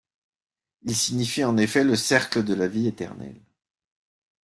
Il signifie en effet le cercle de la vie éternelle.